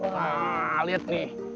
wah lihat nih